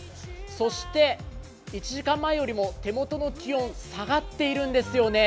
そして１時間前よりも手元の気温、下がっているんですよね。